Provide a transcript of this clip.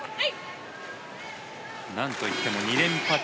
なんといっても２連覇中。